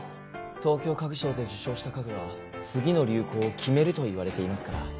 東京家具ショーで受賞した家具は次の流行を決めるといわれていますから。